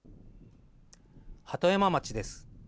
鳩山町です。